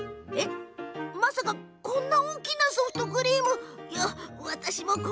こんなに大きなソフトクリーム？